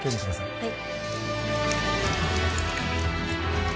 はい。